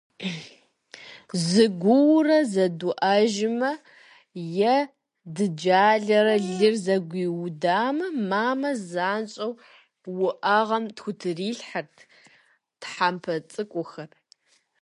Зыгуэру зыдуӏэжамэ е дыджалэрэ лыр зэгуиудамэ, мамэ занщӏэу уӏэгъэм тхутрилъхьэрт тхьэмпэ цӏыкӏухэр.